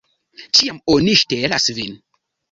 Ĉiam oni ŝtelas vin!